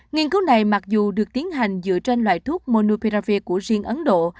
nghiên cứu này mặc dù được tiến hành dựa trên loại thuốc monouperav của riêng ấn độ